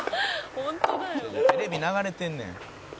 「テレビに流れてんねん」